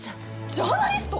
ジャーナリスト！？